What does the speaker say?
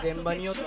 って。